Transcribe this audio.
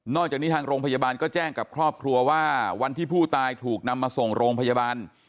จากนี้ทางโรงพยาบาลก็แจ้งกับครอบครัวว่าวันที่ผู้ตายถูกนำมาส่งโรงพยาบาล